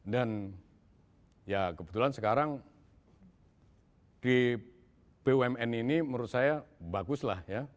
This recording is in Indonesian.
dan ya kebetulan sekarang di bumn ini menurut saya baguslah ya